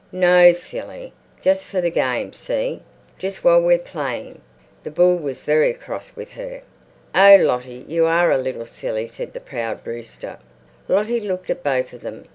"No, silly. Just for the game, see? Just while we're playing." The bull was very cross with her. "Oh, Lottie, you are a little silly," said the proud rooster. Lottie looked at both of them.